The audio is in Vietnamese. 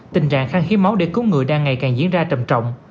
tình trạng khăn hiếp máu để cứu người đang ngày càng diễn ra trầm trọng